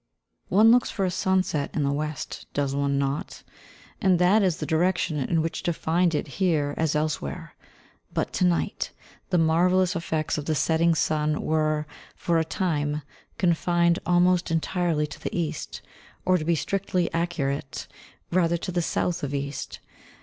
One looks for a sunset in the west, does one not? and that is the direction in which to find it here as elsewhere; but to night the marvellous effects of the setting sun were, for a time, confined almost entirely to the east, or, to be strictly accurate, rather to the south of east.